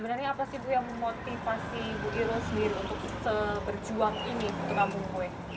apa sih bu yang memotivasi ibu irol sendiri untuk berjuang ini ke kampung kue